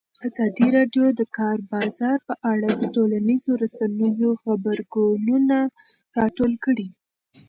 ازادي راډیو د د کار بازار په اړه د ټولنیزو رسنیو غبرګونونه راټول کړي.